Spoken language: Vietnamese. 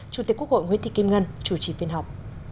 chủ tịch quốc hội nguyễn thị kim ngân chủ trì phiên họp